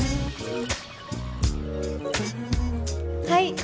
はい！